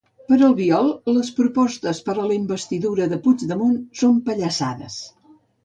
Per a Albiol, les propostes per a la investidura de Puigdemont són "pallassades"